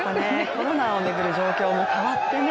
コロナを巡る状況も変わってね